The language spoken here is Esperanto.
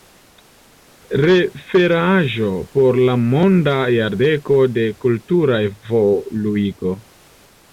Referaĵo por la Monda Jardeko de Kultura Evoluigo.